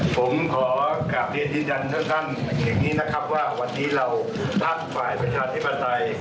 ผมของข้าปเตียนจำนะคะว่าวันนี้เราทักฝ่ายประชาธิบัติ